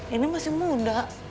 ini masih muda